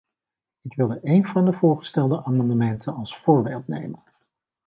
Ik wilde één van de voorgestelde amendementen als voorbeeld nemen.